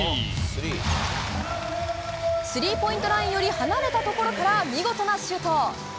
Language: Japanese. スリーポイントラインより離れたところから見事なシュート！